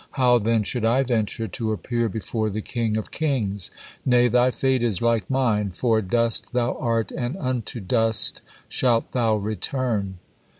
How then should I venture to appear before the King of kings? Nay, thy fate is like mine, for 'dust thou art, and unto dust shalt thou return.'"